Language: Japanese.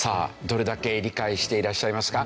どれだけ理解していらっしゃいますか？